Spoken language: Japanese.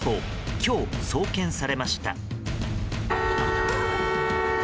今日、送検されました。